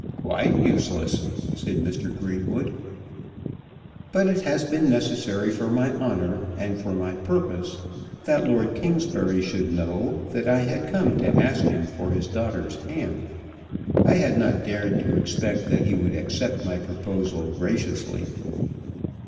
"Quite useless," said Mr. Greenwood. "But it has been necessary for my honour, and for my purpose, that Lord Kingsbury should know that I had come to ask him for his daughter's hand. I had not dared to expect that he would accept my proposal graciously."